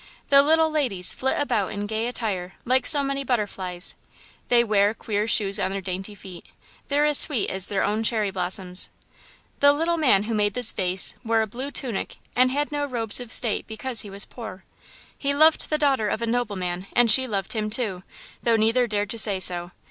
The little ladies flit about in gay attire, like so many butterflies they wear queer shoes on their dainty feet. They're as sweet as their own cherry blossoms. "The little man who made this vase, wore a blue tunic and had no robes of state, because he was poor. He loved the daughter of a nobleman and she loved him, too, though neither dared to say so.